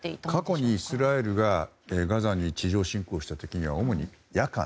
過去にイスラエルがガザに地上侵攻した時には主に夜間。